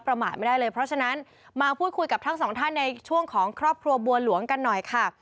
มาไม่ได้เลยเพราะฉะนั้นมาพูดคุยกับทั้งสองท่านในช่วงของครอบครัวบัวหลวงกันหน่อยค่ะ